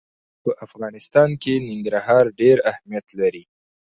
په افغانستان کې ننګرهار ډېر اهمیت لري.